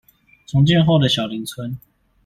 重建後的小林村